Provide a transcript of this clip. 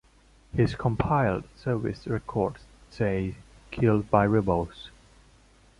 His Compiled Service Records say "Killed by Rebels".